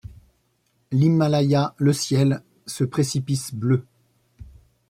L'Himalaya ; le ciel, ce précipice bleu